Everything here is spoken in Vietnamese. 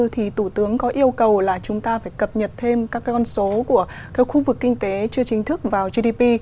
thì thủ tướng có yêu cầu là chúng ta phải cập nhật thêm các con số của khu vực kinh tế chưa chính thức vào gdp